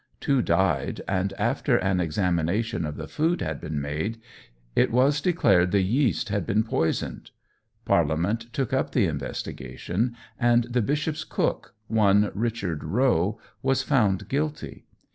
Two died, and after an examination of the food had been made, it was declared the yeast had been poisoned. Parliament took up the investigation, and the bishop's cook, one Richard Rowe, was found guilty.